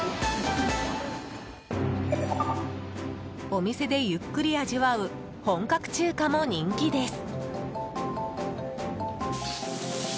お店でゆっくり味わう本格中華も人気です。